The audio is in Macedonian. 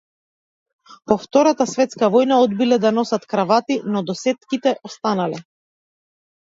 По втората светска војна одбиле да носат кравати, но досетките останале.